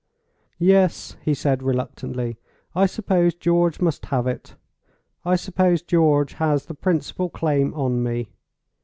"Yes," he said, reluctantly, "I suppose George must have it—I suppose George has the principal claim on me."